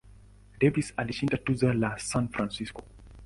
Davis alishinda tuzo nane San Francisco.